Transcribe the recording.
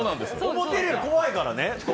思てるより、怖いからね。